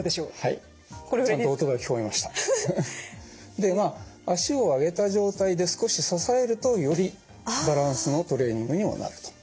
でまあ脚を上げた状態で少し支えるとよりバランスのトレーニングにもなると。